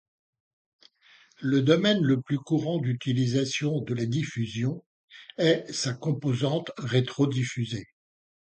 Le domaine le plus courant d'utilisation de la diffusion est sa composante rétrodiffusée.